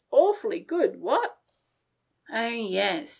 Awfully good, what?" "Oh, yes.